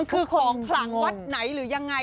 คือของขลังวัดไหนหรือยังไง